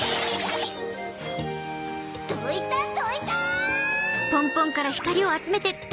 どいたどいた！